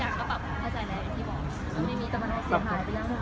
หายไปแล้วนะ